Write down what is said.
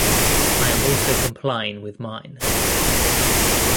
I am also complying with mine.